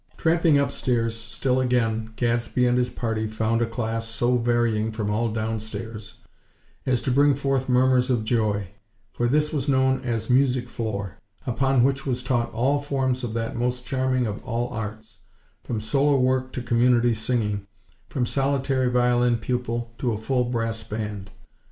Tramping upstairs, still again, Gadsby and party found a class so varying from all downstairs as to bring forth murmurs of joy, for this was known as "Music Floor"; upon which was taught all forms of that most charming of all arts from solo work to community singing, from solitary violin pupil to a full brass band.